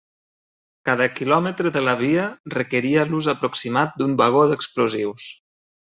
Cada quilòmetre de la via requeria l'ús aproximat d'un vagó d'explosius.